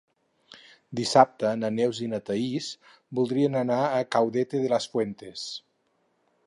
Dissabte na Neus i na Thaís voldrien anar a Caudete de las Fuentes.